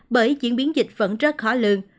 bởi diễn biến dịch vẫn rất khó lương